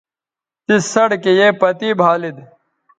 تس سڑکے یے پتے بھالید